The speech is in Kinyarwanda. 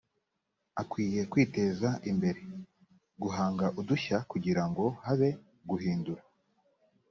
akwiye kwiteza imbere guhanga udushya kugira ngo habe guhindura